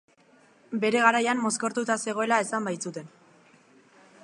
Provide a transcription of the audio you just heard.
Bere garaian mozkortuta zegoela esan baitzuten.